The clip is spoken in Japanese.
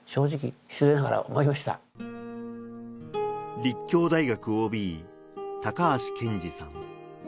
立教大学ＯＢ・高橋憲司さん。